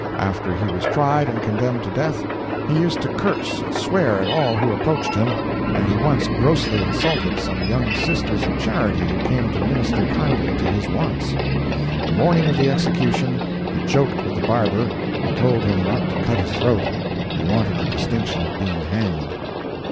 After he was tried and condemned to death, he used to curse and swear at all who approached him; and he once grossly insulted some young Sisters of Charity who came to minister kindly to his wants. The morning of the execution, he joked with the barber, and told him not to cut his throat—he wanted the distinction of being hanged.